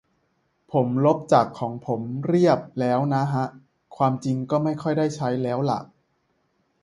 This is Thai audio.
ผมลบจากของผมเรียบแล้วนะฮะ ความจริงก็ไม่ค่อยได้ใช้ แล้วล่ะ